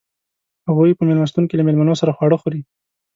هغوئ په میلمستون کې له میلمنو سره خواړه خوري.